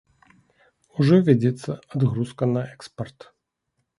Ужо вядзецца адгрузка на экспарт.